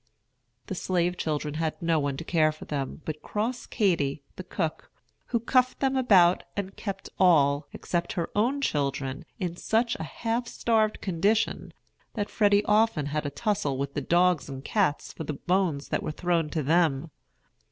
The slave children had no one to care for them but cross Katy, the cook, who cuffed them about, and kept all, except her own children, in such a half starved condition, that Freddy often had a tussle with the dogs and cats for the bones that were thrown to them.